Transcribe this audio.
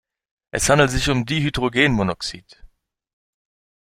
Es handelt sich um Dihydrogenmonoxid.